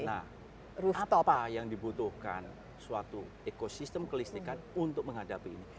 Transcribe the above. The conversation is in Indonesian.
nah apa yang dibutuhkan suatu ekosistem kelistikan untuk menghadapi ini